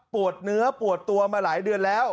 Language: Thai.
เนื้อปวดตัวมาหลายเดือนแล้ว